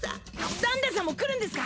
ダンデさんも来るんですか！？